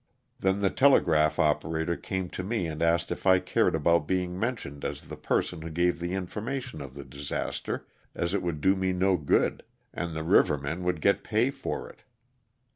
Then the telegraph operator came to me and asked me if I cared about being mentioned as the person who gave the informa tion of the disaster, as it would do me no good and the river men would get pay for it.